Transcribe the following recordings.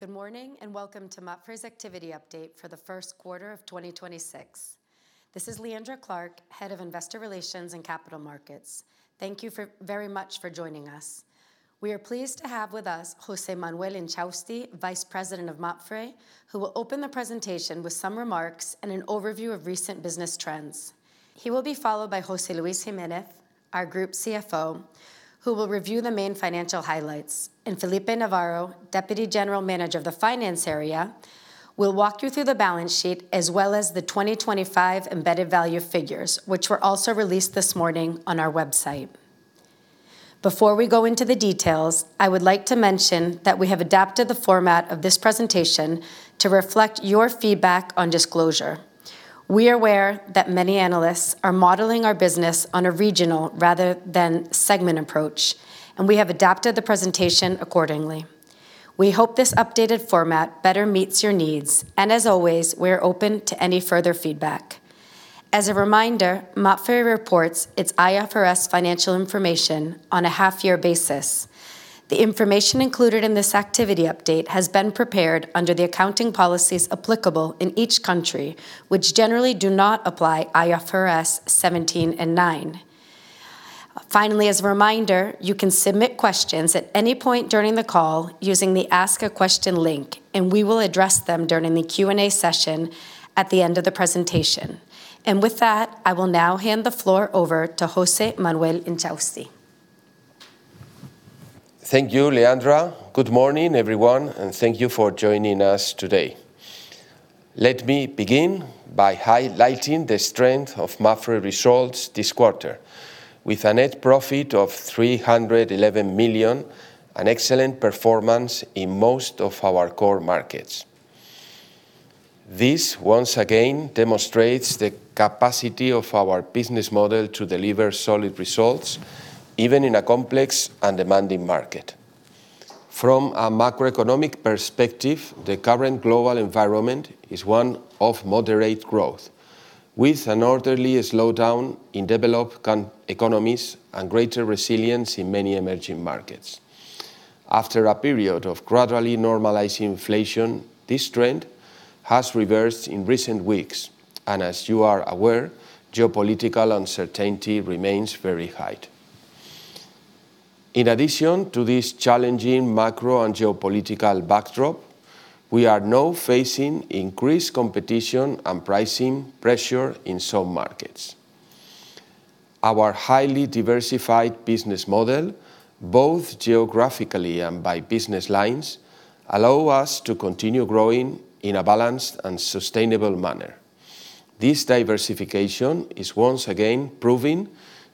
Good morning and welcome to Mapfre's activity update for the first quarter of 2026. This is Leandra Clark, Head of Investor Relations and Capital Markets. Thank you very much for joining us. We are pleased to have with us José Manuel Inchausti, Vice President of Mapfre, who will open the presentation with some remarks and an overview of recent business trends. He will be followed by José Luis Jiménez, our Group CFO, who will review the main financial highlights. Felipe Navarro, Deputy General Manager of the Finance Area, will walk you through the balance sheet as well as the 2025 embedded value figures, which were also released this morning on our website. Before we go into the details, I would like to mention that we have adapted the format of this presentation to reflect your feedback on disclosure. We are aware that many analysts are modeling our business on a regional rather than segment approach, and we have adapted the presentation accordingly. We hope this updated format better meets your needs, and as always, we are open to any further feedback. As a reminder, Mapfre reports its IFRS financial information on a half-year basis. The information included in this activity update has been prepared under the accounting policies applicable in each country, which generally do not apply IFRS 17 and IFRS 9. Finally, as a reminder, you can submit questions at any point during the call using the Ask a Question link, and we will address them during the Q&A session at the end of the presentation. With that, I will now hand the floor over to José Manuel Inchausti. Thank you, Leandra. Good morning, everyone, and thank you for joining us today. Let me begin by highlighting the strength of Mapfre results this quarter. With a net profit of 311 million, an excellent performance in most of our core markets. This once again demonstrates the capacity of our business model to deliver solid results even in a complex and demanding market. From a macroeconomic perspective, the current global environment is one of moderate growth, with an orderly slowdown in developed economies and greater resilience in many emerging markets. After a period of gradually normalizing inflation, this trend has reversed in recent weeks, and as you are aware, geopolitical uncertainty remains very high. In addition to this challenging macro and geopolitical backdrop, we are now facing increased competition and pricing pressure in some markets. Our highly diversified business model, both geographically and by business lines, allow us to continue growing in a balanced and sustainable manner. This diversification is once again proving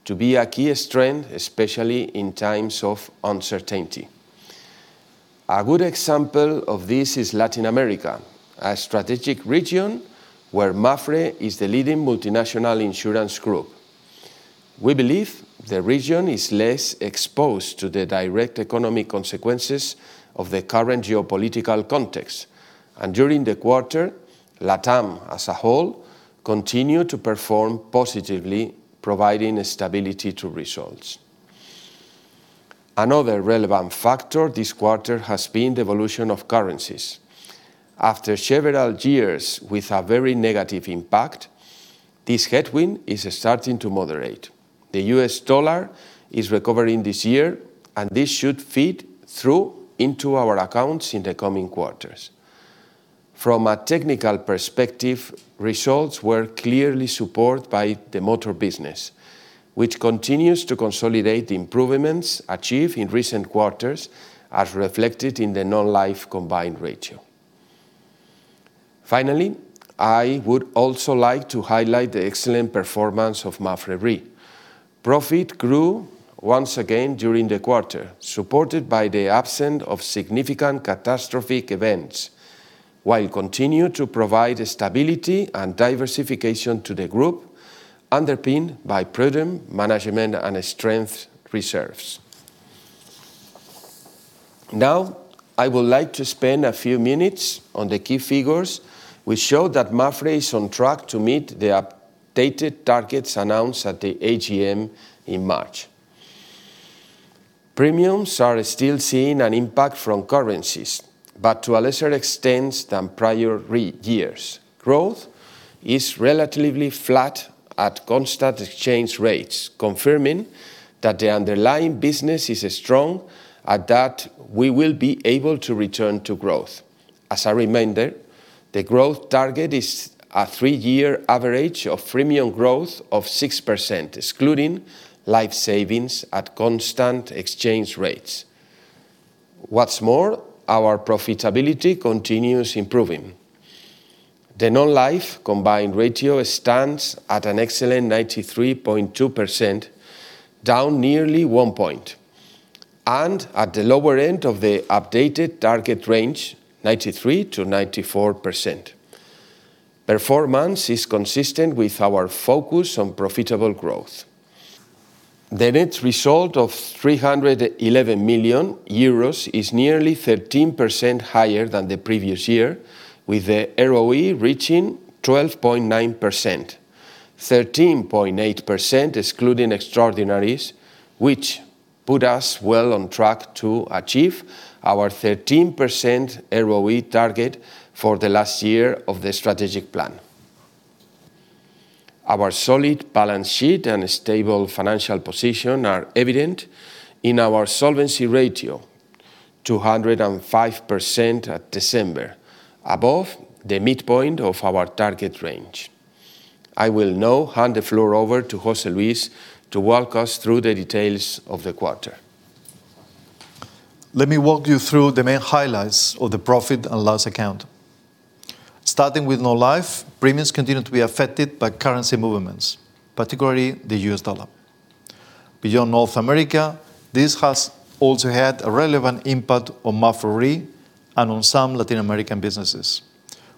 to be a key strength, especially in times of uncertainty. A good example of this is Latin America, a strategic region where Mapfre is the leading multinational insurance group. We believe the region is less exposed to the direct economic consequences of the current geopolitical context. During the quarter, LatAm as a whole continued to perform positively, providing stability to results. Another relevant factor this quarter has been the evolution of currencies. After several years with a very negative impact, this headwind is starting to moderate. The U.S. dollar is recovering this year, and this should feed through into our accounts in the coming quarters. From a technical perspective, results were clearly supported by the motor business, which continues to consolidate the improvements achieved in recent quarters as reflected in the non-life combined ratio. I would also like to highlight the excellent performance of Mapfre Re. Profit grew once again during the quarter, supported by the absence of significant catastrophic events, while continue to provide stability and diversification to the group underpinned by prudent management and strength reserves. Now, I would like to spend a few minutes on the key figures which show that Mapfre is on track to meet the updated targets announced at the AGM in March. Premiums are still seeing an impact from currencies, but to a lesser extent than prior years. Growth is relatively flat at constant exchange rates, confirming that the underlying business is strong and that we will be able to return to growth. As a reminder, the growth target is a three-year average of premium growth of 6%, excluding life savings at constant exchange rates. Our profitability continues improving. The non-life combined ratio stands at an excellent 93.2%, down nearly 1 point, and at the lower end of the updated target range, 93%-94%. Performance is consistent with our focus on profitable growth. The net result of 311 million euros is nearly 13% higher than the previous year, with the ROE reaching 12.9%, 13.8% excluding extraordinaries. Put us well on track to achieve our 13% ROE target for the last year of the strategic plan. Our solid balance sheet and stable financial position are evident in our solvency ratio, 205% at December, above the midpoint of our target range. I will now hand the floor over to José Luis to walk us through the details of the quarter. Let me walk you through the main highlights of the profit and loss account. Starting with non-life, premiums continue to be affected by currency movements, particularly the U.S. dollar. Beyond North America, this has also had a relevant impact on Mapfre and on some Latin American businesses,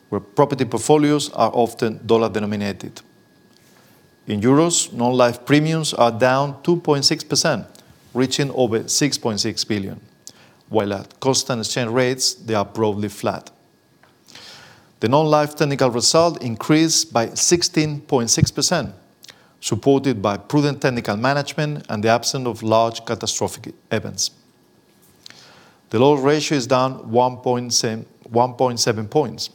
where property portfolios are often dollar-denominated. In euros, non-life premiums are down 2.6%, reaching over 6.6 billion, while at constant exchange rates they are broadly flat. The non-life technical result increased by 16.6%, supported by prudent technical management and the absence of large catastrophic events. The loss ratio is down 1.7 points,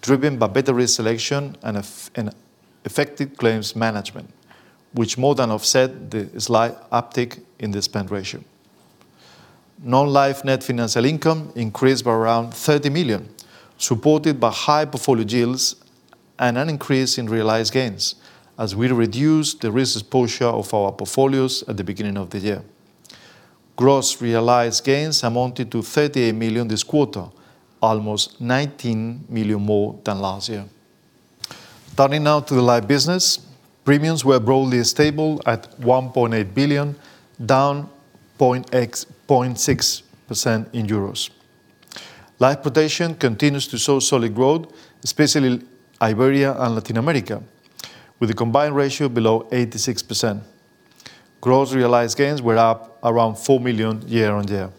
driven by better risk selection and effective claims management, which more than offset the slight uptick in the spend ratio. Non-life net financial income increased by around 30 million, supported by high portfolio yields and an increase in realized gains as we reduce the risk exposure of our portfolios at the beginning of the year. Gross realized gains amounted to 38 million this quarter, almost 19 million more than last year. Turning now to the life business. Premiums were broadly stable at 1.8 billion, down 0.6% in euros. Life protection continues to show solid growth, especially Iberia and Latin America, with a combined ratio below 86%. Gross realized gains were up around 4 million year-over-year.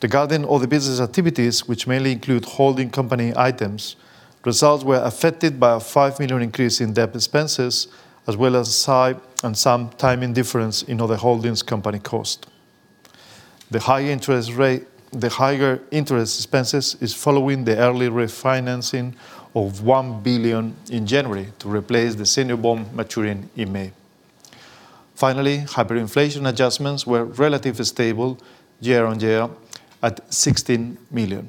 Regarding Other Business activities, which mainly include holding company items, results were affected by a 5 million increase in debt expenses as well as some timing difference in other holdings company cost. The high interest rate, the higher interest expenses is following the early refinancing of 1 billion in January to replace the senior bond maturing in May. Finally, hyperinflation adjustments were relatively stable year-on-year at 16 million.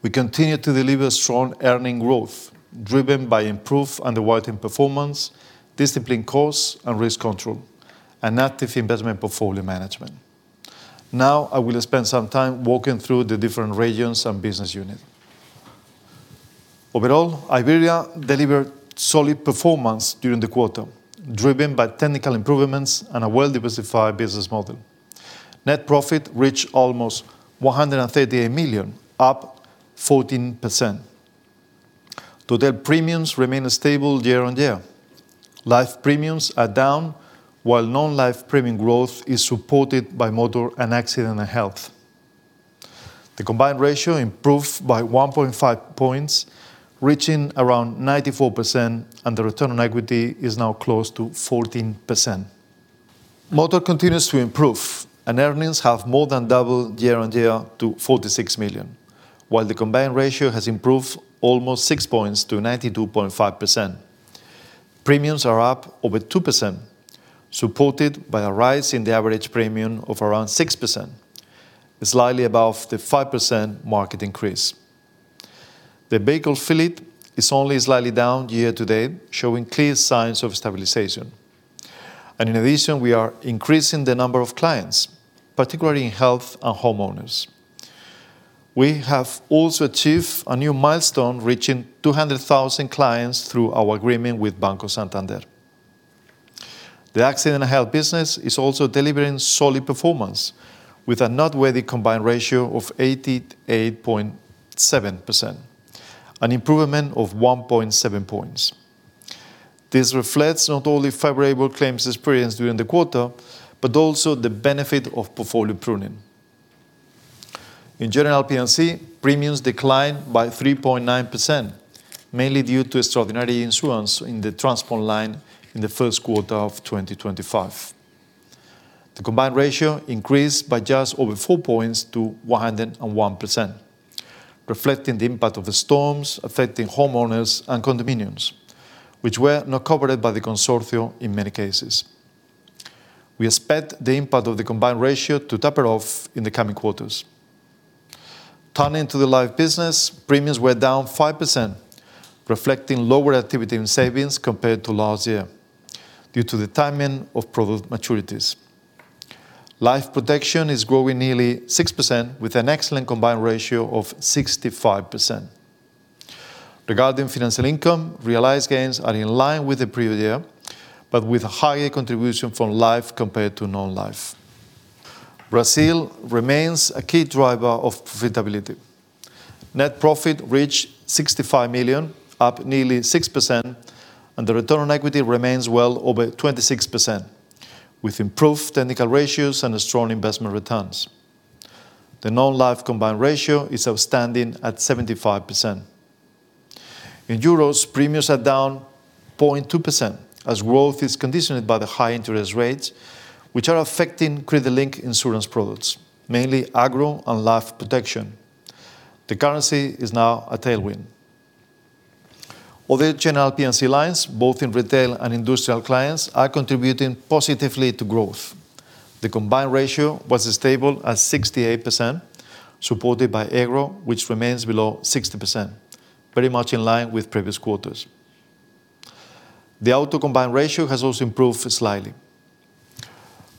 We continue to deliver strong earnings growth driven by improved underwriting performance, disciplined costs and risk control, and active investment portfolio management. Now I will spend some time walking through the different regions and business unit. Overall, Iberia delivered solid performance during the quarter, driven by technical improvements and a well-diversified business model. Net profit reached almost 138 million, up 14%. To date, premiums remain stable year-on-year. Life premiums are down, while non-life premium growth is supported by motor and Accident & Health. The combined ratio improved by 1.5 points, reaching around 94%, and the return on equity is now close to 14%. Motor continues to improve, and earnings have more than doubled year-on-year to 46 million. While the combined ratio has improved almost 6 points to 92.5%. Premiums are up over 2%, supported by a rise in the average premium of around 6%, slightly above the 5% market increase. The vehicle fleet is only slightly down year-to-date, showing clear signs of stabilization. In addition, we are increasing the number of clients, particularly in health and homeowners. We have also achieved a new milestone, reaching 200,000 clients through our agreement with Banco Santander. The accident health business is also delivering solid performance with a noteworthy combined ratio of 88.7%, an improvement of 1.7 points. This reflects not only favorable claims experience during the quarter, but also the benefit of portfolio pruning. In general P&C, premiums declined by 3.9%, mainly due to extraordinary insurance in the transport line in the first quarter of 2025. The combined ratio increased by just over 4 points to 101%, reflecting the impact of the storms affecting homeowners and condominiums, which were not covered by the consortium in many cases. We expect the impact of the combined ratio to taper off in the coming quarters. Turning to the life business, premiums were down 5%, reflecting lower activity in savings compared to last year due to the timing of product maturities. Life protection is growing nearly 6% with an excellent combined ratio of 65%. Regarding financial income, realized gains are in line with the previous year, but with a higher contribution from life compared to non-life. Brazil remains a key driver of profitability. Net profit reached 65 million, up nearly 6%, and the return on equity remains well over 26%, with improved technical ratios and strong investment returns. The non-life combined ratio is outstanding at 75%. In euros, premiums are down 0.2% as growth is conditioned by the high interest rates which are affecting credit-linked insurance products, mainly agro and life protection. The currency is now a tailwind. All the general P&C lines, both in retail and industrial clients, are contributing positively to growth. The combined ratio was stable at 68%, supported by Agro which remains below 60%, very much in line with previous quarters. The Auto combined ratio has also improved slightly.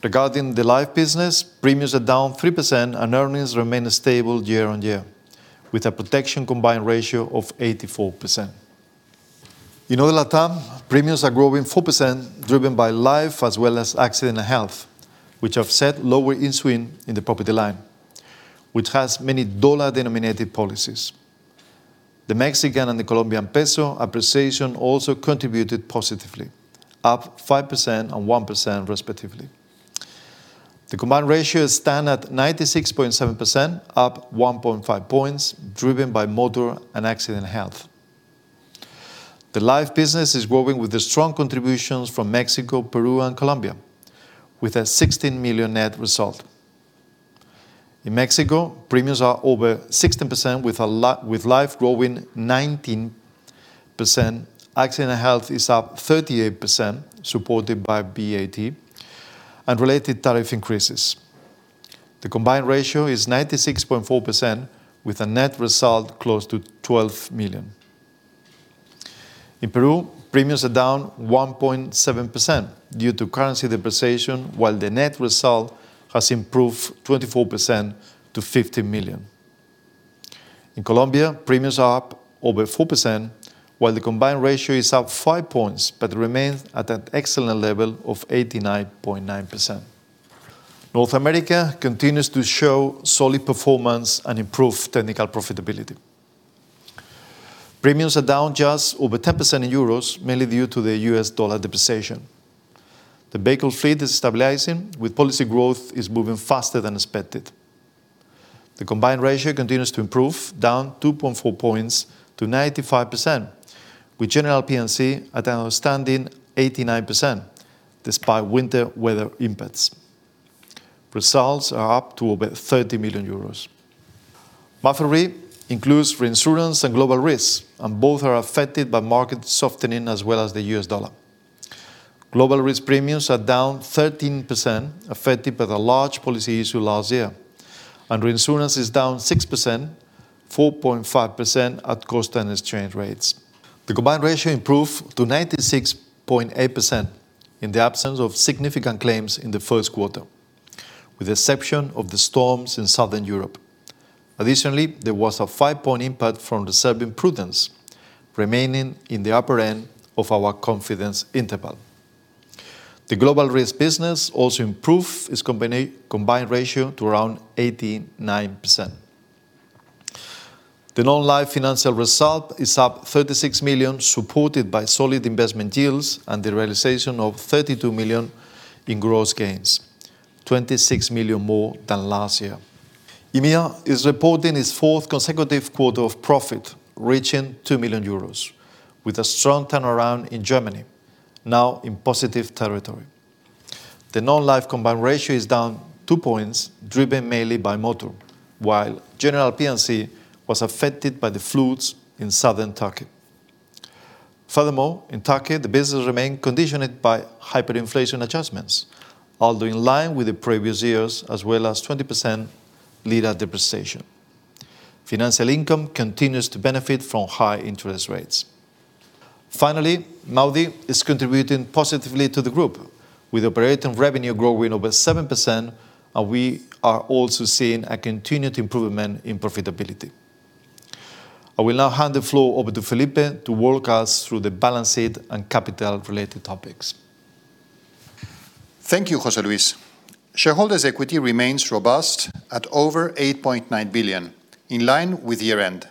Regarding the Life business, premiums are down 3% and earnings remain stable year-on-year with a protection combined ratio of 84%. In all LatAm, premiums are growing 4% driven by Life as well as Accident and Health which offset lower in swing in the Property line which has many dollar-denominated policies. The Mexican and the Colombian peso appreciation also contributed positively, up 5% and 1% respectively. The combined ratio stand at 96.7%, up 1.5 points driven by Motor and Accident and Health. The Life business is growing with the strong contributions from Mexico, Peru, and Colombia with a 16 million net result. In Mexico, premiums are over 16% with life growing 19%. Accident and health is up 38% supported by BAT and related tariff increases. The combined ratio is 96.4% with a net result close to 12 million. In Peru, premiums are down 1.7% due to currency depreciation while the net result has improved 24% to 50 million. In Colombia, premiums are up over 4% while the combined ratio is up 5 points, but remains at an excellent level of 89.9%. North America continues to show solid performance and improved technical profitability. Premiums are down just over 10% in EUR mainly due to the U.S. dollar depreciation. The vehicle fleet is stabilizing with policy growth is moving faster than expected. The combined ratio continues to improve down 2.4 points to 95% with general P&C at an outstanding 89% despite winter weather impacts. Results are up to about 30 million euros. Mapfre includes reinsurance and global risks and both are affected by market softening as well as the U.S. dollar. Global risk premiums are down 13% affected by the large policy issue last year. Reinsurance is down 6%, 4.5% at cost and exchange rates. The combined ratio improved to 96.8% in the absence of significant claims in the first quarter, with the exception of the storms in Southern Europe. Additionally, there was a 5-point impact from reserving prudence remaining in the upper end of our confidence interval. The global risk business also improved its combined ratio to around 89%. The non-life financial result is up 36 million supported by solid investment yields and the realization of 32 million in gross gains, 26 million more than last year. EMEA is reporting its fourth consecutive quarter of profit, reaching 2 million euros with a strong turnaround in Germany, now in positive territory. The non-life combined ratio is down 2 points driven mainly by motor, while general P&C was affected by the floods in southern Turkey. In Turkey, the business remained conditioned by hyperinflation adjustments, although in line with the previous years as well as 20% lira depreciation. Financial income continues to benefit from high interest rates. MAWDY is contributing positively to the group with operating revenue growing over 7% and we are also seeing a continued improvement in profitability. I will now hand the floor over to Felipe to walk us through the balance sheet and capital related topics. Thank you, José Luis. Shareholders' equity remains robust at over 8.9 billion in line with year-end.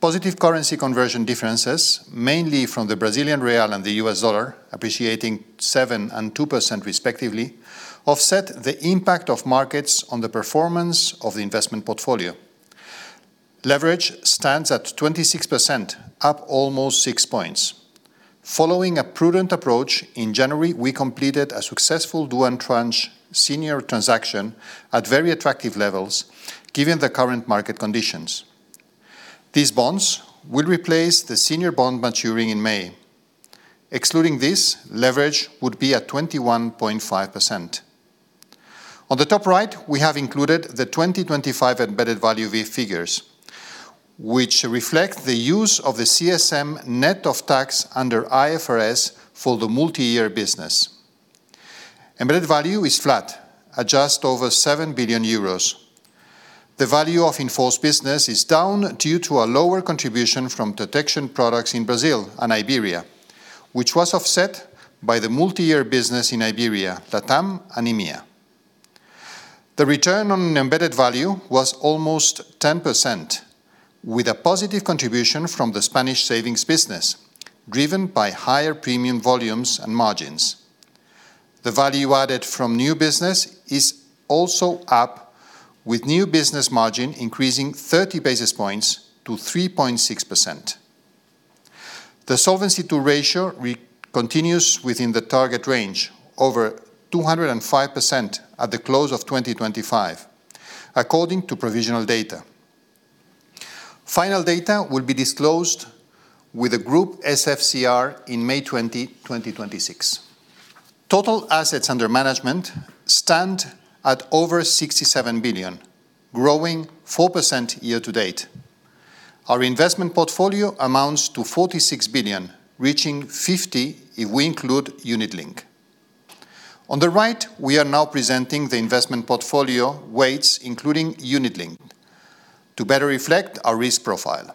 Positive currency conversion differences, mainly from the Brazilian real and the U.S. dollar appreciating 7% and 2% respectively, offset the impact of markets on the performance of the investment portfolio. Leverage stands at 26%, up almost 6 points. Following a prudent approach in January, we completed a successful dual tranche senior transaction at very attractive levels given the current market conditions. These bonds will replace the senior bond maturing in May. Excluding this, leverage would be at 21.5%. On the top right, we have included the 2025 embedded value V figures which reflect the use of the CSM net of tax under IFRS for the multi-year business. Embedded value is flat at just over 7 billion euros. The value of in-force business is down due to a lower contribution from protection products in Brazil and Iberia, which was offset by the multi-year business in Iberia, LatAm and EMEA. The return on embedded value was almost 10% with a positive contribution from the Spanish savings business, driven by higher premium volumes and margins. The value added from new business is also up, with new business margin increasing 30 basis points to 3.6%. The Solvency II ratio continues within the target range, over 205% at the close of 2025, according to provisional data. Final data will be disclosed with a group SFCR in May 20, 2026. Total assets under management stand at over 67 billion, growing 4% year-to-date. Our investment portfolio amounts to 46 billion, reaching 50 billion if we include Unit-Linked. On the right, we are now presenting the investment portfolio weights, including Unit-Linked, to better reflect our risk profile.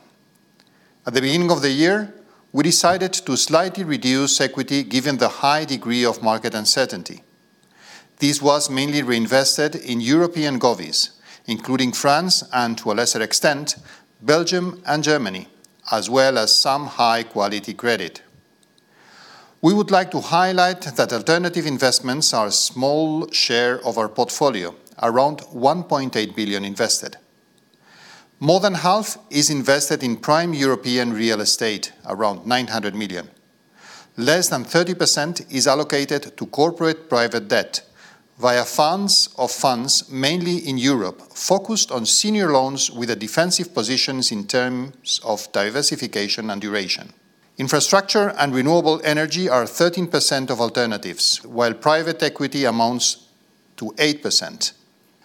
At the beginning of the year, we decided to slightly reduce equity given the high degree of market uncertainty. This was mainly reinvested in European govies, including France and, to a lesser extent, Belgium and Germany, as well as some high-quality credit. We would like to highlight that alternative investments are a small share of our portfolio, around 1.8 billion invested. More than half is invested in prime European real estate, around 900 million. Less than 30% is allocated to corporate private debt via funds of funds, mainly in Europe, focused on senior loans with a defensive positions in terms of diversification and duration. Infrastructure and renewable energy are 13% of alternatives, while private equity amounts to 8%.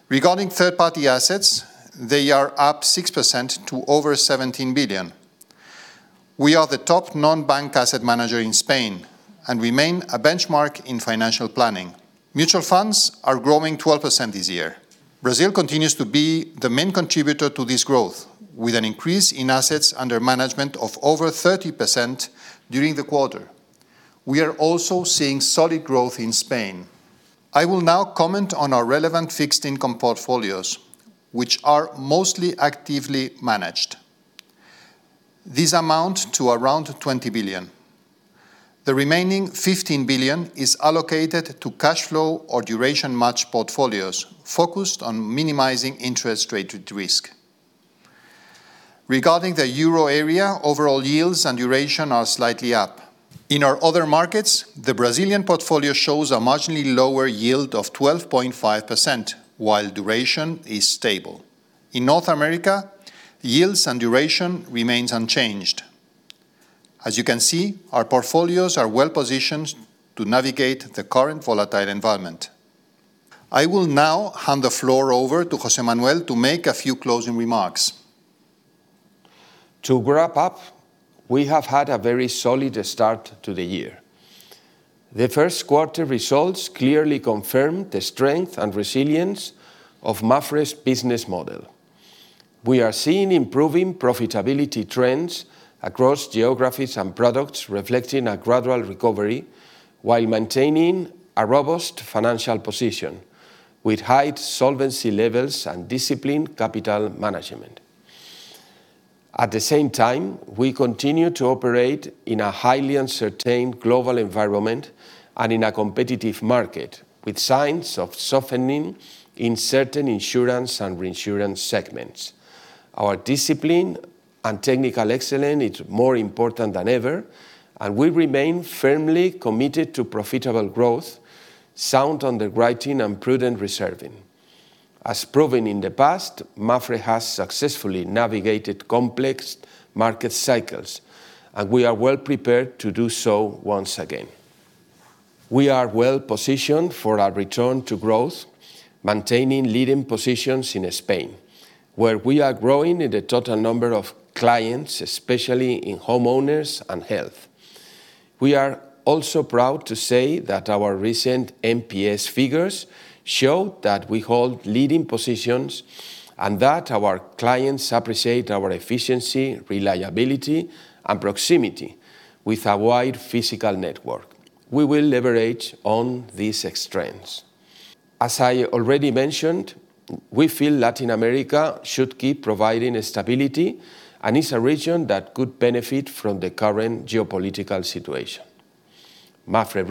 Regarding third-party assets, they are up 6% to over 17 billion. We are the top non-bank asset manager in Spain and remain a benchmark in financial planning. Mutual funds are growing 12% this year. Brazil continues to be the main contributor to this growth, with an increase in assets under management of over 30% during the quarter. We are also seeing solid growth in Spain. I will now comment on our relevant fixed income portfolios, which are mostly actively managed. These amount to around 20 billion. The remaining 15 billion is allocated to cash flow or duration matched portfolios focused on minimizing interest rate risk. Regarding the Euro area, overall yields and duration are slightly up. In our other markets, the Brazilian portfolio shows a marginally lower yield of 12.5%, while duration is stable. In North America, yields and duration remains unchanged. As you can see, our portfolios are well-positioned to navigate the current volatile environment. I will now hand the floor over to José Manuel to make a few closing remarks. To wrap up, we have had a very solid start to the year. The first quarter results clearly confirm the strength and resilience of Mapfre's business model. We are seeing improving profitability trends across geographies and products, reflecting a gradual recovery, while maintaining a robust financial position with high solvency levels and disciplined capital management. At the same time, we continue to operate in a highly uncertain global environment and in a competitive market, with signs of softening in certain insurance and reinsurance segments. Our discipline and technical excellence is more important than ever, and we remain firmly committed to profitable growth, sound underwriting, and prudent reserving. As proven in the past, Mapfre has successfully navigated complex market cycles, and we are well prepared to do so once again. We are well-positioned for our return to growth, maintaining leading positions in Spain, where we are growing in the total number of clients, especially in homeowners and health. We are also proud to say that our recent NPS figures show that we hold leading positions and that our clients appreciate our efficiency, reliability, and proximity with our wide physical network. We will leverage on these strengths. As I already mentioned, we feel Latin America should keep providing stability, and is a region that could benefit from the current geopolitical situation. Mapfre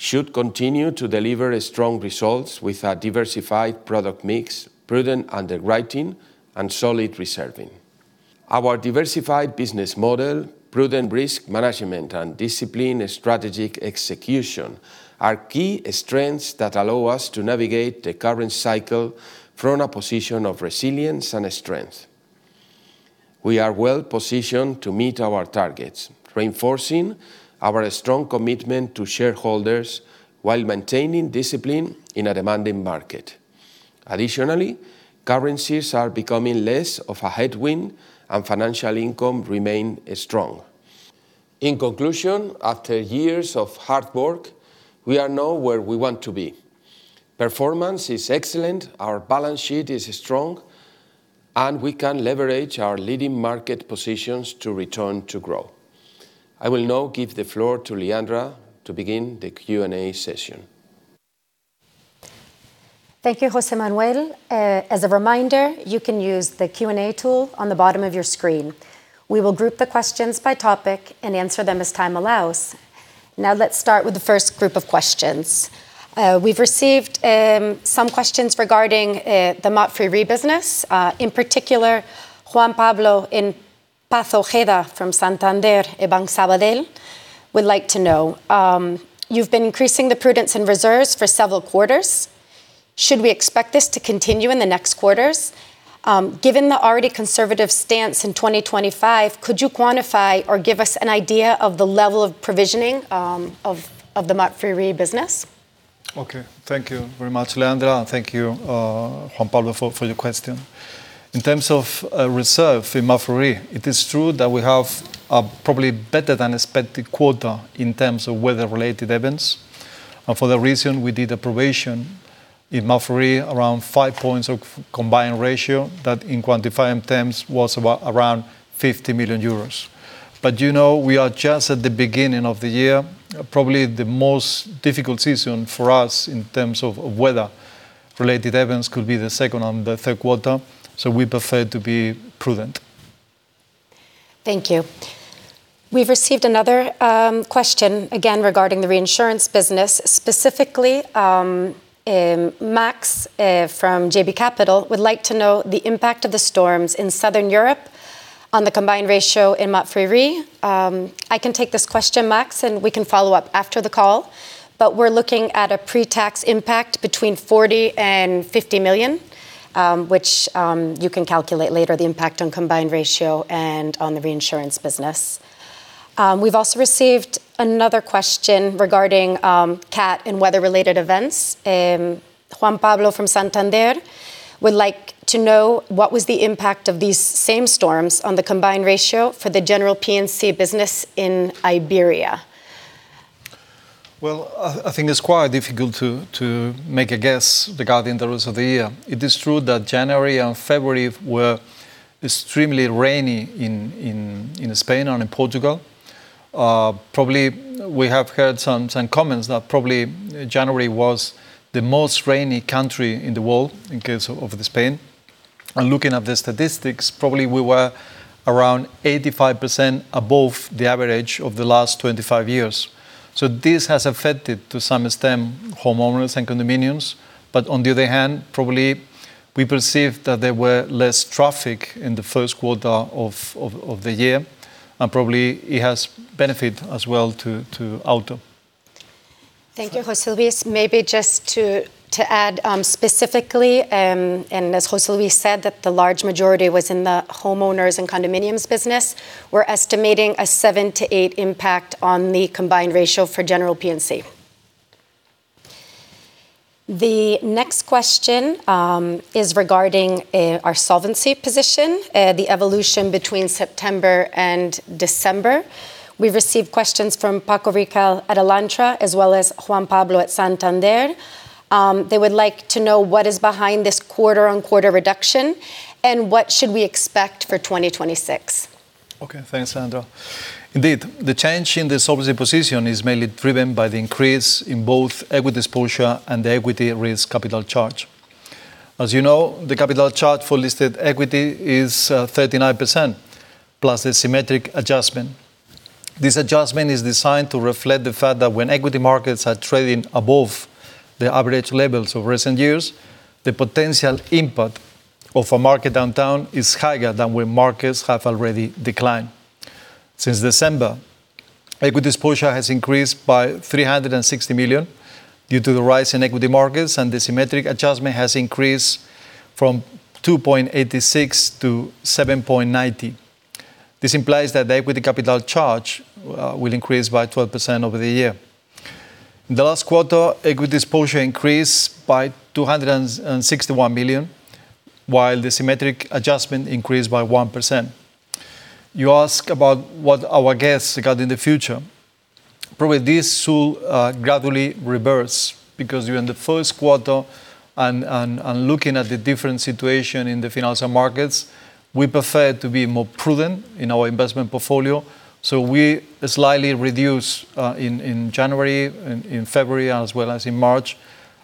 Re should continue to deliver strong results with a diversified product mix, prudent underwriting, and solid reserving. Our diversified business model, prudent risk management, and disciplined strategic execution are key strengths that allow us to navigate the current cycle from a position of resilience and strength. We are well-positioned to meet our targets, reinforcing our strong commitment to shareholders while maintaining discipline in a demanding market. Additionally, currencies are becoming less of a headwind, and financial income remain strong. In conclusion, after years of hard work, we are now where we want to be. Performance is excellent, our balance sheet is strong, and we can leverage our leading market positions to return to growth. I will now give the floor to Leandra to begin the Q&A session. Thank you, José Manuel. As a reminder, you can use the Q&A tool on the bottom of your screen. We will group the questions by topic and answer them as time allows. Now let's start with the first group of questions. We've received some questions regarding the Mapfre Re business. In particular, Juan Pablo and Paz Ojeda from Santander and Banco Sabadell would like to know, you've been increasing the prudence and reserves for several quarters. Should we expect this to continue in the next quarters? Given the already conservative stance in 2025, could you quantify or give us an idea of the level of provisioning of the Mapfre Re business? Okay. Thank you very much, Leandra, and thank you, Juan Pablo, for your question. In terms of reserve in Mapfre Re, it is true that we have a probably better than expected quarter in terms of weather-related events. For that reason we did a provision in Mapfre Re around five points of combined ratio that in quantifying terms was about 50 million euros. You know, we are just at the beginning of the year. Probably the most difficult season for us in terms of weather-related events could be the second and the third quarter, so we prefer to be prudent. Thank you. We've received another question again regarding the reinsurance business. Specifically, Maks from JB Capital would like to know the impact of the storms in Southern Europe on the combined ratio in Mapfre Re. I can take this question, Maks, and we can follow up after the call. We're looking at a pre-tax impact between 40 million and 50 million, which you can calculate later the impact on combined ratio and on the reinsurance business. We've also received another question regarding CAT and weather-related events. Juan Pablo from Santander would like to know what was the impact of these same storms on the combined ratio for the general P&C business in Iberia. Well, I think it's quite difficult to make a guess regarding the rest of the year. It is true that January and February were extremely rainy in Spain and in Portugal. Probably we have heard some comments that probably January was the most rainy country in the world in case of Spain. Looking at the statistics, probably we were around 85% above the average of the last 25 years. This has affected to some extent homeowners and condominiums. On the other hand, probably we perceive that there were less traffic in the first quarter of the year, and probably it has benefit as well to auto. Thank you, José Luis. Maybe just to add, specifically, as José Luis said, that the large majority was in the homeowners and condominiums business. We're estimating a 7%-8% impact on the combined ratio for general P&C. The next question is regarding our solvency position, the evolution between September and December. We've received questions from Francisco Riquel at Alantra, as well as Juan Pablo at Santander. They would like to know what is behind this quarter-over-quarter reduction, what should we expect for 2026? Thanks, Leandra. The change in the solvency position is mainly driven by the increase in both equity exposure and the equity risk capital charge. As you know, the capital charge for listed equity is 39% plus the symmetric adjustment. This adjustment is designed to reflect the fact that when equity markets are trading above the average levels of recent years, the potential impact of a market downturn is higher than when markets have already declined. Since December, equity exposure has increased by 360 million due to the rise in equity markets, and the symmetric adjustment has increased from 2.86% to 7.90%. This implies that the equity capital charge will increase by 12% over the year. In the last quarter, equity exposure increased by 261 million, while the symmetric adjustment increased by 1%. You ask about what our guess regarding the future. Probably this will gradually reverse because you're in the first quarter, and looking at the different situation in the financial markets, we prefer to be more prudent in our investment portfolio. We slightly reduce in January, in February, as well as in March,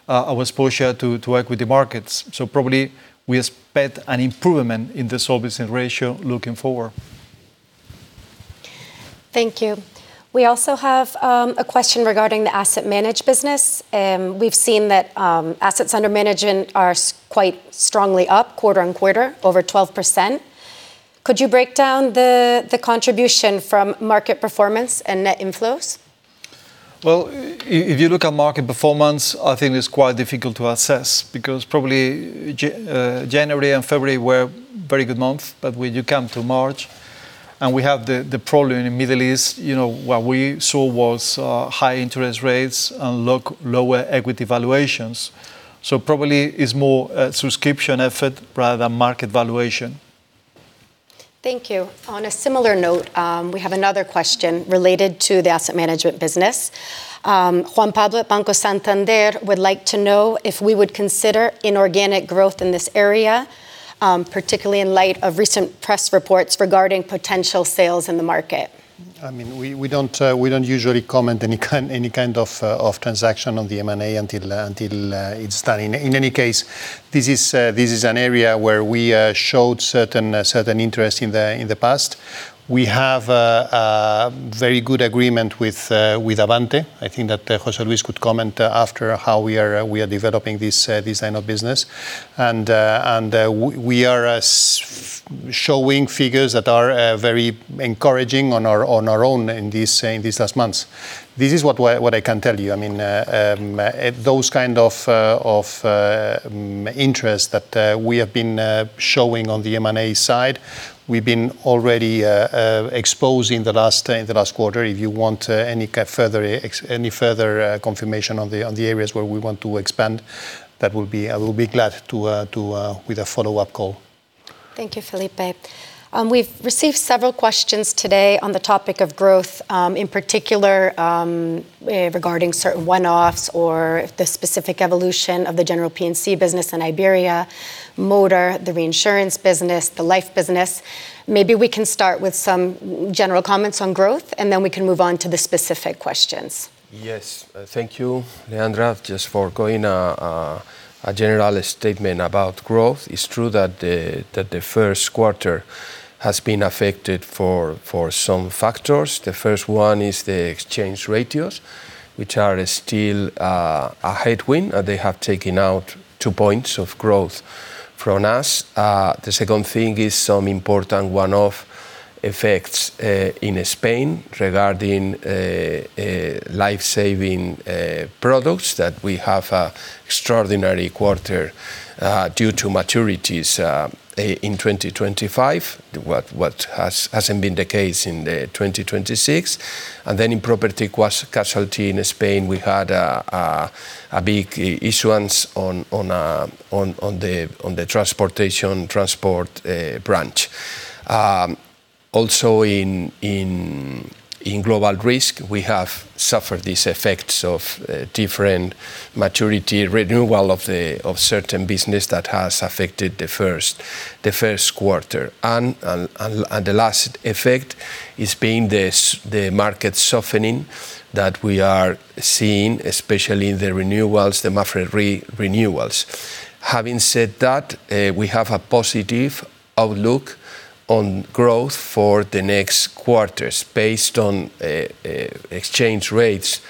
our exposure to equity markets. Probably we expect an improvement in the solvency ratio looking forward. Thank you. We also have a question regarding the asset management business. We've seen that assets under management are quite strongly up quarter-on-quarter, over 12%. Could you break down the contribution from market performance and net inflows? Well, if you look at market performance, I think it's quite difficult to assess because probably January and February were very good month. When you come to March, and we have the problem in the Middle East, you know, what we saw was high interest rates and lower equity valuations. Probably it's more a subscription effort rather than market valuation. Thank you. On a similar note, we have another question related to the asset management business. Juan Pablo at Banco Santander would like to know if we would consider inorganic growth in this area, particularly in light of recent press reports regarding potential sales in the market. I mean, we don't usually comment any kind of transaction on the M&A until it's done. In any case, this is an area where we showed certain interest in the past. We have a very good agreement with Abante. I think that José Luis could comment after how we are developing this line of business. We are showing figures that are very encouraging on our own in these last months. This is what I can tell you. I mean, those kind of interest that we have been showing on the M&A side, we've been already exposing the last quarter. If you want any kind further, any further confirmation on the areas where we want to expand, I will be glad to with a follow-up call. Thank you, Felipe. We've received several questions today on the topic of growth, in particular, regarding certain one-offs or the specific evolution of the general P&C business in Iberia, motor, the reinsurance business, the life business. Maybe we can start with some general comments on growth, and then we can move on to the specific questions. Yes. Thank you, Leandra. Just for going, a general statement about growth. It's true that the first quarter has been affected for some factors. The first one is the exchange ratios, which are still a headwind. They have taken out 2 points of growth from us. The second thing is some important one-off effects in Spain regarding life-saving products that we have a extraordinary quarter due to maturities in 2025, what hasn't been the case in 2026. Then in property casualty in Spain, we had a big issuance on the transport branch. Also in global risk, we have suffered these effects of different maturity renewal of certain business that has affected the first quarter. The last effect has been this, the market softening that we are seeing, especially in the renewals, the Mapfre renewals. Having said that, we have a positive outlook on growth for the next quarters based on exchange rates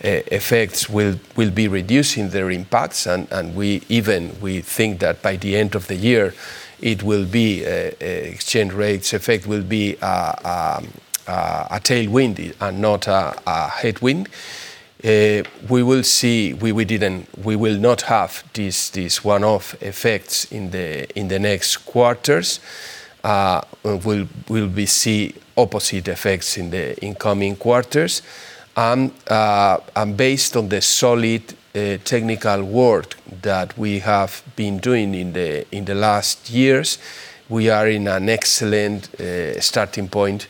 effects will be reducing their impacts. We even think that by the end of the year, it will be exchange rates effect will be a tailwind, not a headwind. We will see, we will not have these one-off effects in the next quarters. We'll see opposite effects in the incoming quarters. Based on the solid, technical work that we have been doing in the last years, we are in an excellent, starting point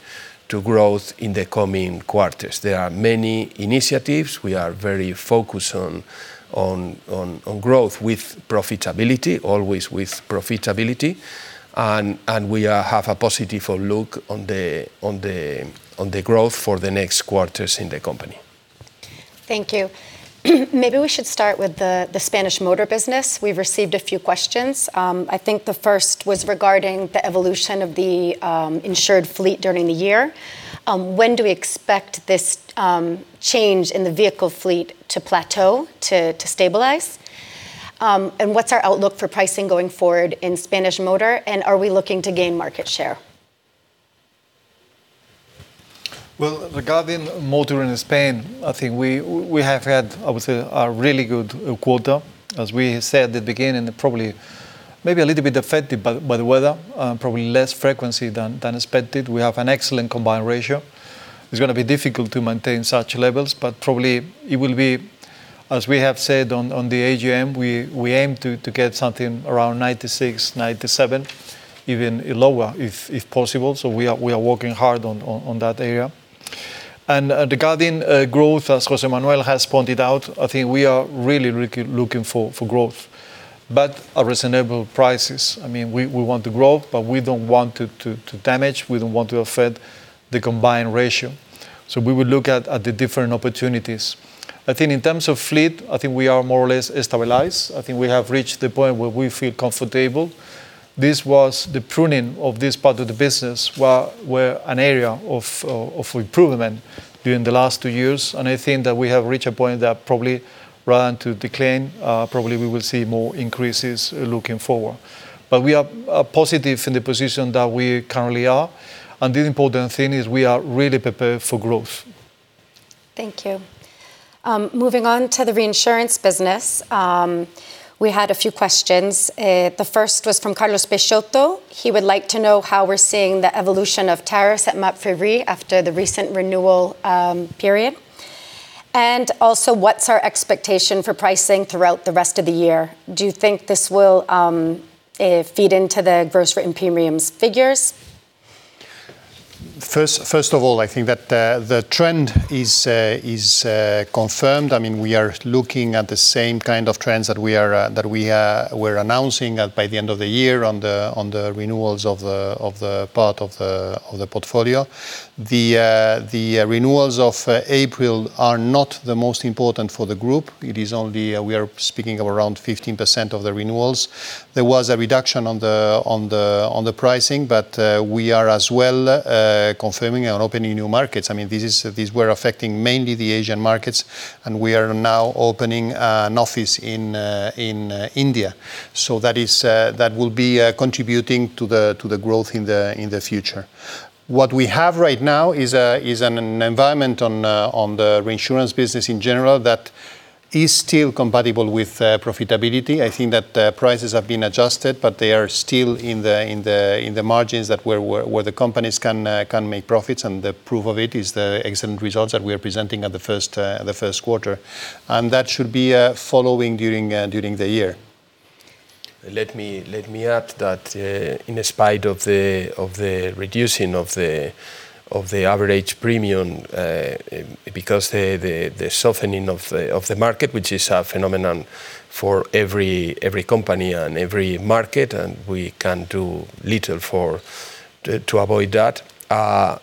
to growth in the coming quarters. There are many initiatives. We are very focused on growth with profitability, always with profitability. We, have a positive look on the growth for the next quarters in the company. Thank you. Maybe we should start with the Spanish motor business. We've received a few questions. I think the first was regarding the evolution of the insured fleet during the year. When do we expect this change in the vehicle fleet to plateau, to stabilize? What's our outlook for pricing going forward in Spanish motor, and are we looking to gain market share? Well, regarding motor in Spain, I think we have had, obviously, a really good quarter. As we said at the beginning, probably maybe a little bit affected by the weather, probably less frequency than expected. We have an excellent combined ratio. It's gonna be difficult to maintain such levels, but probably it will be, as we have said on the AGM, we aim to get something around 96, 97, even lower if possible. We are working hard on that area. Regarding growth, as José Manuel has pointed out, I think we are really looking for growth, but at reasonable prices. I mean, we want to grow, we don't want to damage. We don't want to affect the combined ratio. We will look at the different opportunities. I think in terms of fleet, I think we are more or less stabilized. I think we have reached the point where we feel comfortable. This was the pruning of this part of the business, were an area of improvement during the last two years. I think that we have reached a point that probably rather than to decline, probably we will see more increases looking forward. We are positive in the position that we currently are. The important thing is we are really prepared for growth. Thank you. Moving on to the reinsurance business, we had a few questions. The first was from Carlos Peixoto. He would like to know how we're seeing the evolution of tariffs at MAPFRE Re after the recent renewal period. Also, what's our expectation for pricing throughout the rest of the year? Do you think this will feed into the gross written premiums figures? First of all, I think that the trend is confirmed. I mean, we are looking at the same kind of trends that we are announcing by the end of the year on the renewals of the part of the portfolio. The renewals of April are not the most important for the group. It is only, we are speaking of around 15% of the renewals. There was a reduction on the pricing, we are as well confirming and opening new markets. I mean, these were affecting mainly the Asian markets, we are now opening an office in India. That is that will be contributing to the growth in the future. What we have right now is an environment on the reinsurance business in general that is still compatible with profitability. I think that prices have been adjusted, but they are still in the margins that where the companies can make profits. The proof of it is the excellent results that we are presenting at the first quarter. That should be following during the year. Let me, let me add that, in spite of the, of the reducing of the, of the average premium, because the, the softening of the, of the market, which is a phenomenon for every company and every market, and we can do little for, to avoid that.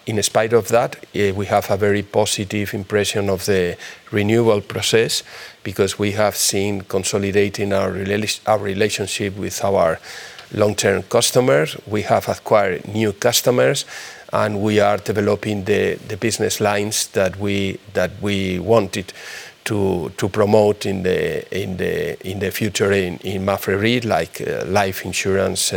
In spite of that, we have a very positive impression of the renewal process because we have seen consolidating our relationship with our long-term customers. We have acquired new customers, and we are developing the business lines that we, that we wanted to promote in the, in the, in the future in Mapfre Re, like, life insurance,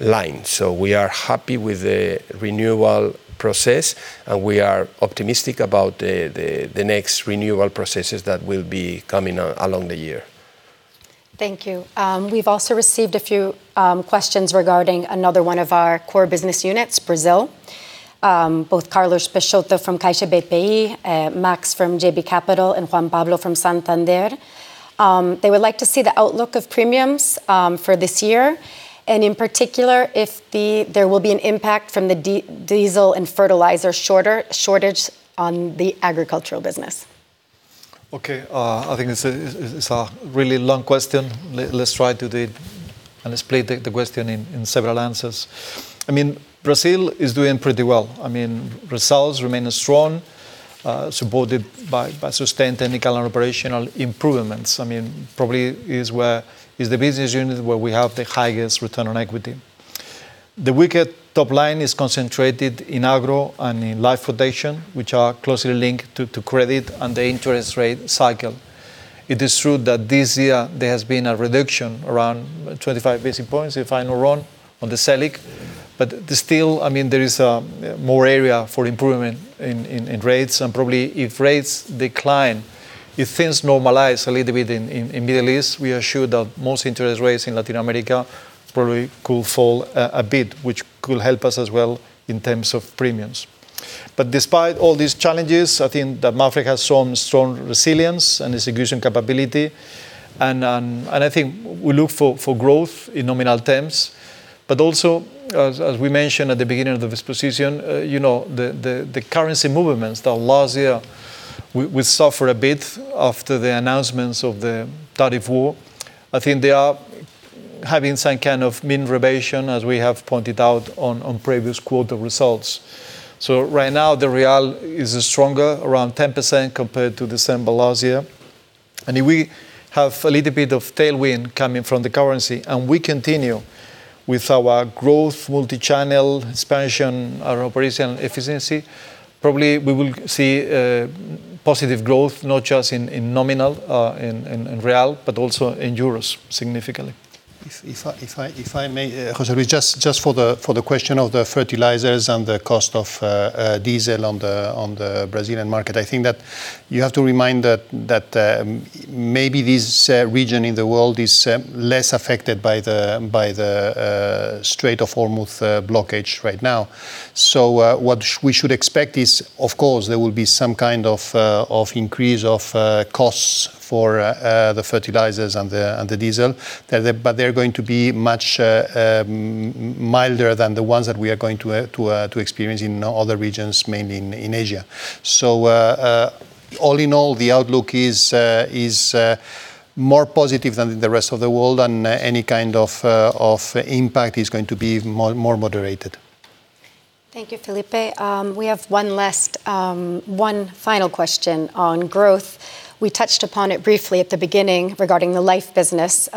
line. We are happy with the renewal process, and we are optimistic about the, the next renewal processes that will be coming along the year. Thank you. We've also received a few questions regarding another one of our core business units, Brazil. Both Carlos Peixoto from Caixa BPI, Maks from JB Capital, and Juan Pablo from Santander. They would like to see the outlook of premiums for this year. In particular, if there will be an impact from the diesel and fertilizer shortage on the agricultural business. Okay. I think it's a really long question. Let's split the question in several answers. I mean, Brazil is doing pretty well. I mean, results remain strong, supported by sustained technical and operational improvements. I mean, probably is where the business unit where we have the highest return on equity. The weaker top line is concentrated in agro and in life rotation, which are closely linked to credit and the interest rate cycle. It is true that this year there has been a reduction, around 25 basis points if I'm not wrong, on the Selic. There's still, I mean, there is more area for improvement in rates. Probably if rates decline, if things normalize a little bit in Middle East, we are sure that most interest rates in Latin America probably could fall a bit, which could help us as well in terms of premiums. Despite all these challenges, I think that Mapfre has shown strong resilience and execution capability, and I think we look for growth in nominal terms. Also, as we mentioned at the beginning of this position, you know, the currency movements, the last year we suffer a bit after the announcements of the tariff war. I think they are having some kind of mean revision, as we have pointed out on previous quarter results. Right now, the BRL is stronger, around 10% compared to December last year. If we have a little bit of tailwind coming from the currency, and we continue with our growth, multi-channel expansion, our operational efficiency, probably we will see positive growth, not just in nominal, in real, but also in euros significantly. If I may, José, just for the question of the fertilizers and the cost of diesel on the Brazilian market, I think that you have to remind that maybe this region in the world is less affected by the Strait of Hormuz blockage right now. What we should expect is, of course, there will be some kind of increase of costs for the fertilizers and the diesel. They're going to be much milder than the ones that we are going to experience in other regions, mainly in Asia. All in all, the outlook is more positive than the rest of the world, and any kind of impact is going to be more moderated. Thank you, Felipe. We have one last, one final question on growth. We touched upon it briefly at the beginning regarding the life business.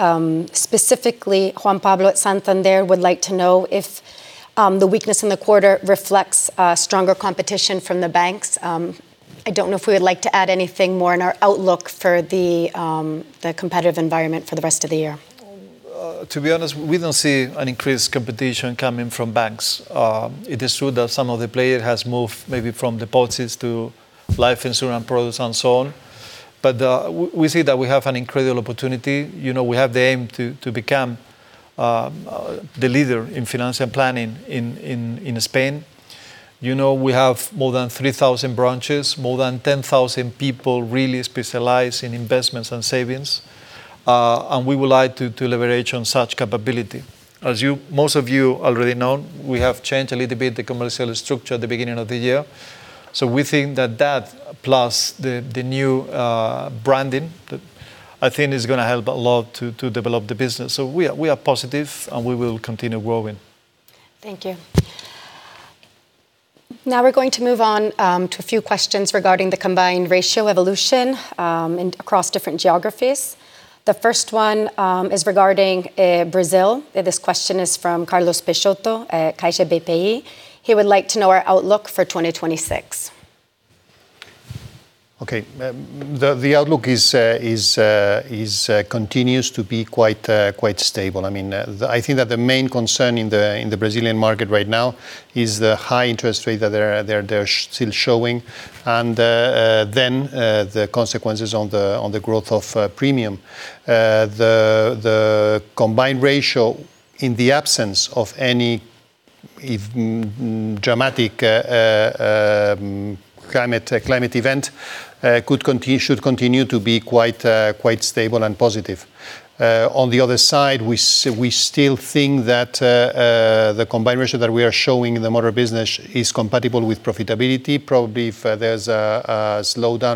Specifically, Juan Pablo at Santander would like to know if the weakness in the quarter reflects stronger competition from the banks. I don't know if we would like to add anything more in our outlook for the competitive environment for the rest of the year. To be honest, we don't see an increased competition coming from banks. It is true that some of the player has moved maybe from deposits to life insurance products and so on. We see that we have an incredible opportunity. You know, we have the aim to become the leader in financial planning in Spain. You know, we have more than 3,000 branches, more than 10,000 people really specialized in investments and savings. We would like to leverage on such capability. As you, most of you already know, we have changed a little bit the commercial structure at the beginning of the year. We think that that plus the new branding, that I think is gonna help a lot to develop the business. We are positive, and we will continue growing. Thank you. Now we're going to move on to a few questions regarding the combined ratio evolution and across different geographies. The first one is regarding Brazil. This question is from Carlos Peixoto at Banco BPI. He would like to know our outlook for 2026. Okay. The outlook continues to be quite stable. I mean, I think that the main concern in the Brazilian market right now is the high interest rate that they're still showing, and then the consequences on the growth of premium. The combined ratio in the absence of any if dramatic climate event should continue to be quite stable and positive. On the other side, we still think that the combined ratio that we are showing in the motor business is compatible with profitability. Probably if there's a slowdown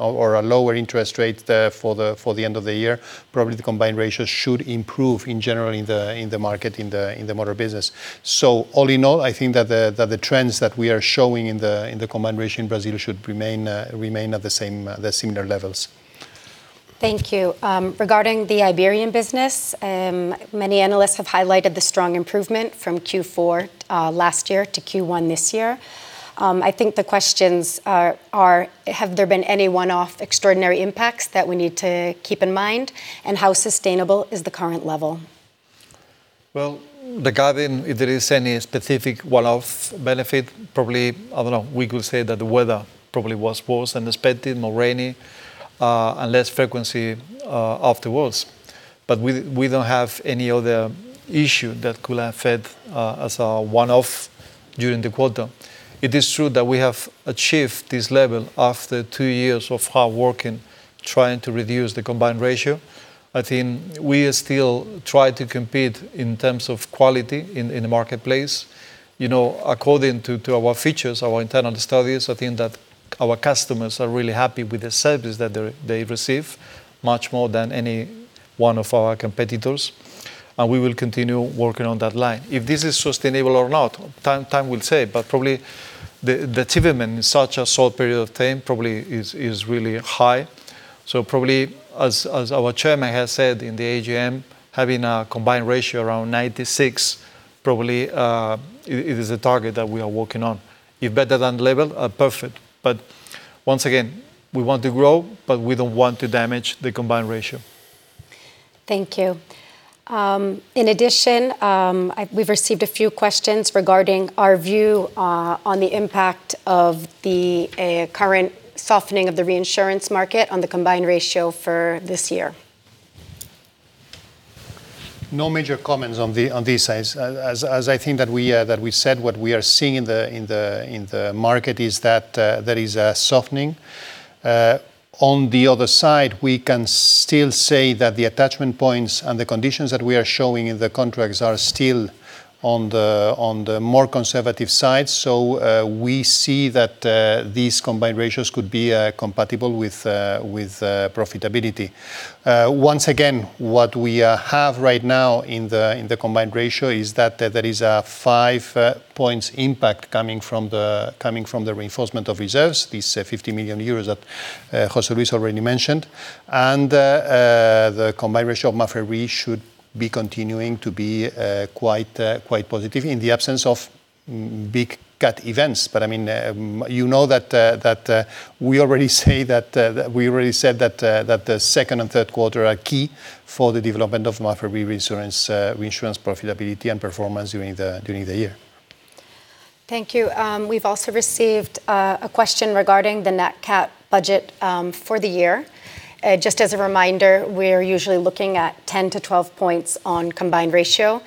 or a lower interest rate there for the end of the year, probably the combined ratio should improve in general in the market, in the motor business. All in all, I think that the trends that we are showing in the combined ratio in Brazil should remain at the same, the similar levels. Thank you. Regarding the Iberian business, many analysts have highlighted the strong improvement from Q4 last year to Q1 this year. I think the questions are have there been any one-off extraordinary impacts that we need to keep in mind, and how sustainable is the current level? Regarding if there is any specific one-off benefit, probably, I don't know, we could say that the weather probably was worse than expected, more rainy, and less frequency afterwards. We don't have any other issue that could have fed as a one-off during the quarter. It is true that we have achieved this level after two years of hard working, trying to reduce the combined ratio. I think we still try to compete in terms of quality in the marketplace. You know, according to our features, our internal studies, I think that our customers are really happy with the service that they receive, much more than any one of our competitors, and we will continue working on that line. If this is sustainable or not, time will tell. Probably the achievement in such a short period of time probably is really high. Probably as our Chairman has said in the AGM, having a combined ratio around 96% probably, it is a target that we are working on. If better than level, perfect. Once again, we want to grow, but we don't want to damage the combined ratio. Thank you. In addition, we've received a few questions regarding our view on the impact of the current softening of the reinsurance market on the combined ratio for this year. No major comments on this as I think that we said what we are seeing in the market is that there is a softening. On the other side, we can still say that the attachment points and the conditions that we are showing in the contracts are still on the more conservative side. We see that these combined ratios could be compatible with profitability. Once again, what we have right now in the combined ratio is that there is a 5 points impact coming from the reinforcement of reserves, these 50 million euros that José Luis already mentioned. The combined ratio of Mapfre we should be continuing to be quite positive in the absence of big cat events. I mean, you know that we already say that we already said that the second and third quarter are key for the development of Mapfre reinsurance profitability and performance during the year. Thank you. We've also received a question regarding the nat cat budget for the year. Just as a reminder, we're usually looking at 10 to 12 points on combined ratio.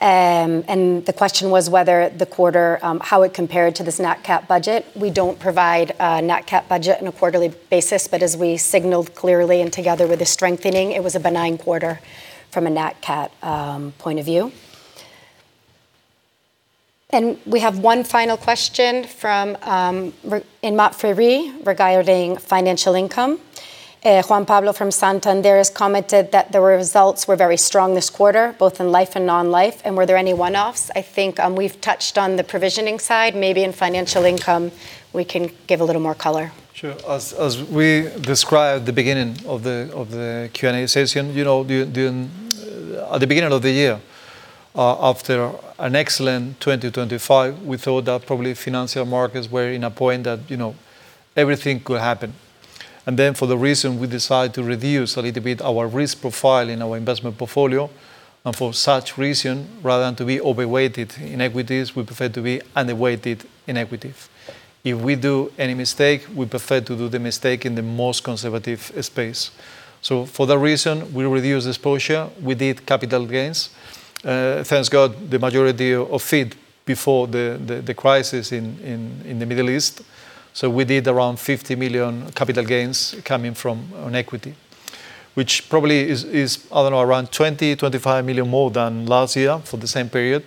The question was whether the quarter, how it compared to this nat cat budget. We don't provide a nat cat budget on a quarterly basis, but as we signaled clearly and together with the strengthening, it was a benign quarter from a nat cat point of view. We have one final question from in Mapfre regarding financial income. Juan Pablo from Santander has commented that the results were very strong this quarter, both in life and non-life, and were there any one-offs? I think we've touched on the provisioning side. Maybe in financial income we can give a little more color. Sure. As we described at the beginning of the Q&A session, you know, at the beginning of the year, after an excellent 2025, we thought that probably financial markets were in a point that, you know, everything could happen. For the reason we decide to reduce a little bit our risk profile in our investment portfolio. For such reason, rather than to be over-weighted in equities, we prefer to be under-weighted in equity. If we do any mistake, we prefer to do the mistake in the most conservative space. For that reason, we reduce exposure. We did capital gains. Thanks God, the majority of it before the crisis in the Middle East. We did around 50 million capital gains coming from, on equity. Which probably is, I don't know, around 20 million-25 million more than last year for the same period.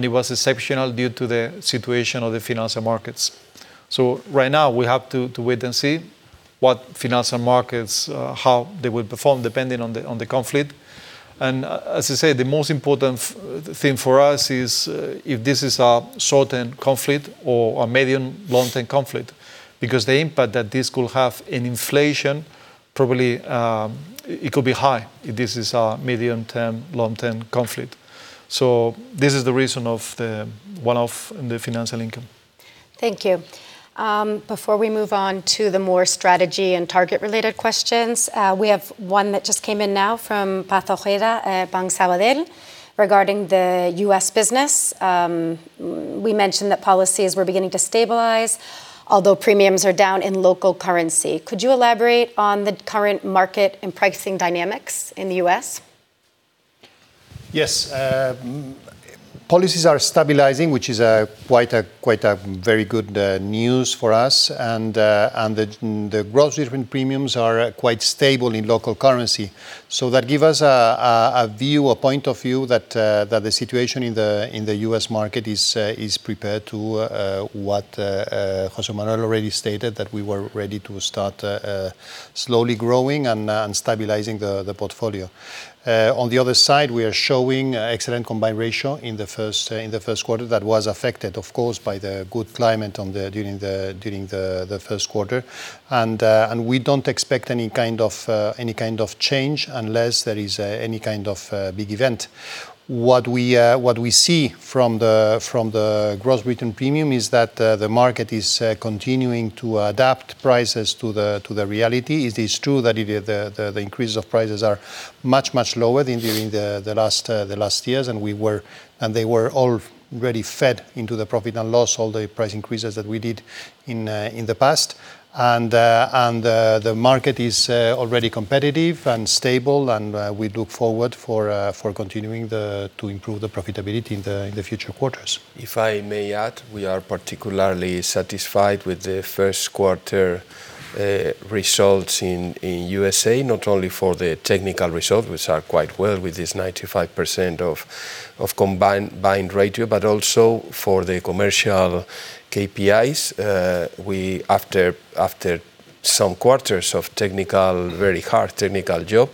It was exceptional due to the situation of the financial markets. Right now we have to wait and see what financial markets, how they will perform depending on the conflict. As I say, the most important thing for us is if this is a short-term conflict or a medium-, long-term conflict, because the impact that this could have in inflation probably, it could be high if this is a medium-term, long-term conflict. This is the reason of the one-off in the financial income. Thank you. Before we move on to the more strategy and target-related questions, we have one that just came in now from Paz Ojeda at Banco Sabadell regarding the U.S. business. We mentioned that policies were beginning to stabilize, although premiums are down in local currency. Could you elaborate on the current market and pricing dynamics in the U.S.? Yes. Policies are stabilizing, which is quite a very good news for us. The gross written premiums are quite stable in local currency. That give us a view, a point of view that the situation in the U.S. market is prepared to what José Manuel already stated, that we were ready to start slowly growing and stabilizing the portfolio. On the other side, we are showing excellent combined ratio in the first quarter. That was affected, of course, by the good climate during the first quarter. We don't expect any kind of any kind of change unless there is any kind of big event. What we see from the gross written premium is that the market is continuing to adapt prices to the reality. It is true that the increase of prices are much, much lower than during the last years, and they were already fed into the profit and loss, all the price increases that we did in the past. The market is already competitive and stable. We look forward for continuing to improve the profitability in the future quarters. If I may add, we are particularly satisfied with the first quarter results in U.S.A, not only for the technical result, which are quite well with this 95% of combined ratio, but also for the commercial KPIs. We, after some quarters of technical, very hard technical job,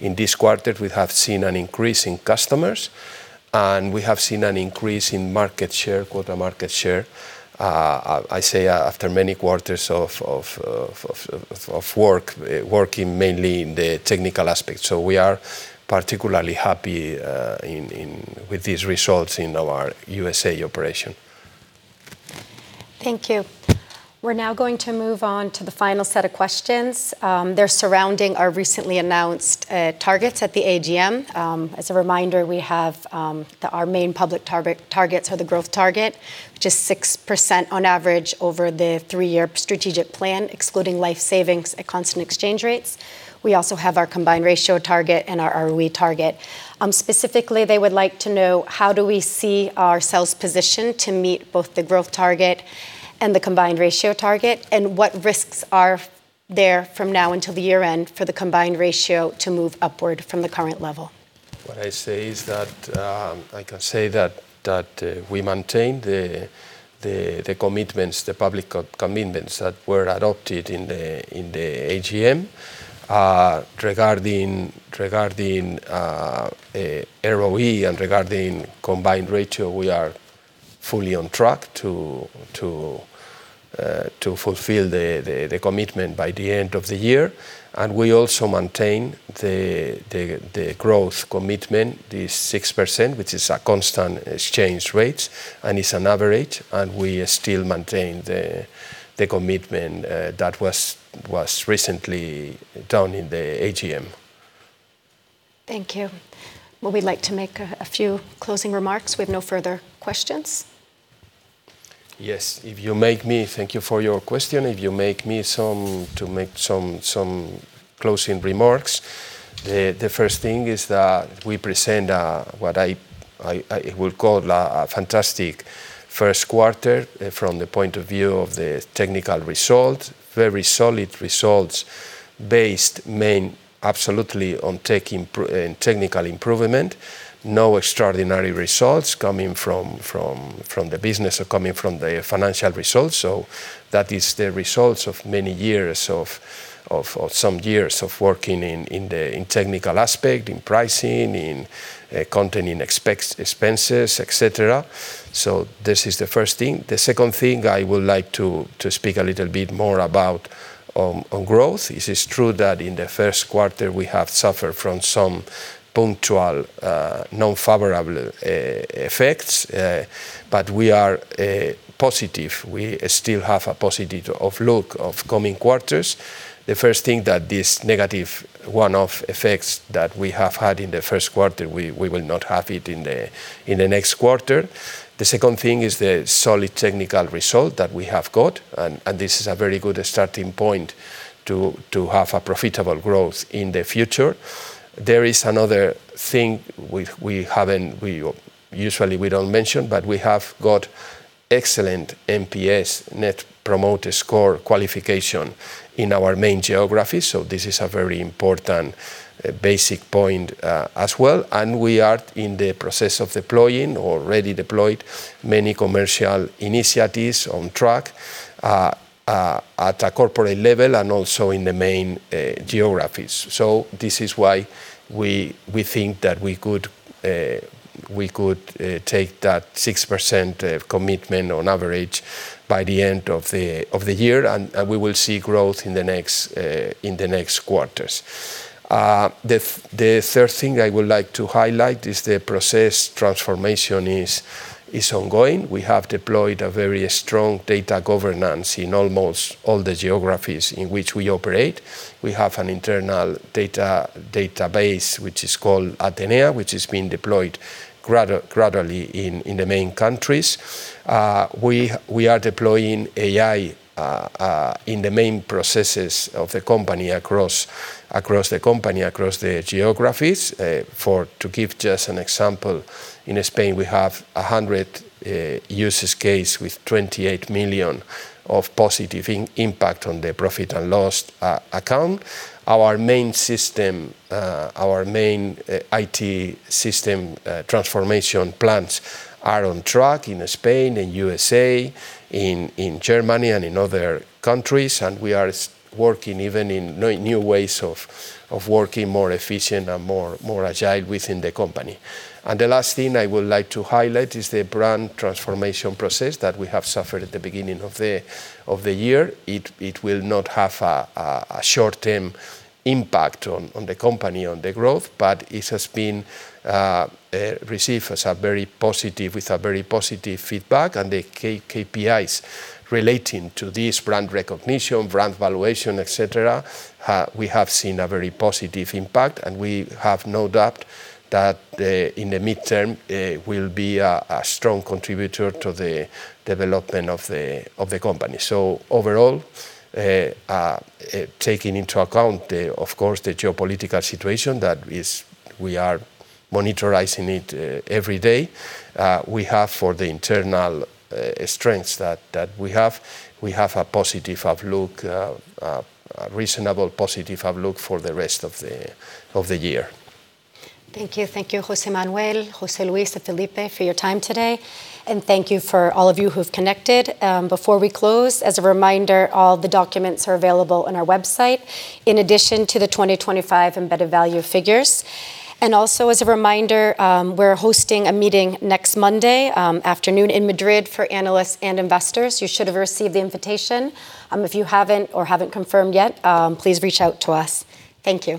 in this quarter we have seen an increase in customers, and we have seen an increase in market share, quota market share. I say after many quarters of work, working mainly in the technical aspect. We are particularly happy with these results in our U.S.A. operation. Thank you. We're now going to move on to the final set of questions. They're surrounding our recently announced targets at the AGM. As a reminder, our main public targets are the growth target, which is 6% on average over the three-year strategic plan, excluding life savings at constant exchange rates. We also have our combined ratio target and our ROE target. Specifically they would like to know, how do we see ourselves positioned to meet both the growth target and the combined ratio target, and what risks are there from now until the year-end for the combined ratio to move upward from the current level? What I say is that, I can say that, we maintain the commitments, the public commitments that were adopted in the AGM. Regarding ROE and regarding combined ratio, we are fully on track to fulfill the commitment by the end of the year. We also maintain the growth commitment, the 6%, which is a constant exchange rates, it's an average, we still maintain the commitment that was recently done in the AGM. Thank you. Would we like to make a few closing remarks? We've no further questions. Yes. If you make me, thank you for your question. If you make me some closing remarks, the first thing is that we present what I would call a fantastic first quarter from the point of view of the technical result. Very solid results based main absolutely on technical improvement. No extraordinary results coming from the business or coming from the financial results. That is the results of many years of some years of working in the technical aspect, in pricing, in containing expenses, etc. This is the first thing. The second thing I would like to speak a little bit more about on growth. It is true that in the first quarter we have suffered from some punctual, non-favorable effects. We are positive. We still have a positive outlook of coming quarters. The first thing that this negative one-off effects that we have had in the first quarter, we will not have it in the next quarter. The second thing is the solid technical result that we have got and this is a very good starting point to have a profitable growth in the future. There is another thing we usually we don't mention, but we have got excellent NPS, Net Promoter Score qualification in our main geography. This is a very important basic point as well. We are in the process of deploying or already deployed many commercial initiatives on track at a corporate level and also in the main geographies. This is why we think that we could take that 6% of commitment on average by the end of the year, and we will see growth in the next quarters. The third thing I would like to highlight is the process transformation is ongoing. We have deployed a very strong data governance in almost all the geographies in which we operate. We have an internal database, which is called Atenea, which is being deployed gradually in the main countries. We are deploying AI in the main processes of the company across the company, across the geographies. To give just an example, in Spain, we have 100 users case with 28 million of positive impact on the profit and loss account. Our main IT system transformation plans are on track in Spain and U.S.A., in Germany and in other countries, and we are working even in new ways of working more efficient and more agile within the company. The last thing I would like to highlight is the brand transformation process that we have suffered at the beginning of the year. It will not have a short-term impact on the company, on the growth, but it has been received with a very positive feedback and the KPIs relating to this brand recognition, brand valuation, etc. We have seen a very positive impact, and we have no doubt that in the midterm, will be a strong contributor to the development of the company. Overall, taking into account the, of course, the geopolitical situation that is we are monitoring it every day, we have for the internal strengths that we have, we have a positive outlook, a reasonable positive outlook for the rest of the year. Thank you. Thank you, José Manuel, José Luis, and Felipe for your time today. Thank you for all of you who've connected. Before we close, as a reminder, all the documents are available on our website in addition to the 2025 embedded value figures. Also, as a reminder, we're hosting a meeting next Monday afternoon in Madrid for analysts and investors. You should have received the invitation. If you haven't or haven't confirmed yet, please reach out to us. Thank you.